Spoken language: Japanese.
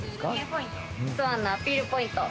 スワンのアピールポイント。